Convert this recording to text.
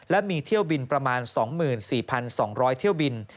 และมีเที่ยวบินประมาณ๒๔๒๐๐เที่ยวบิน